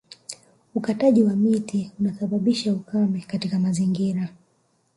Ukataji wa miti unasababisha ukame katika mazingira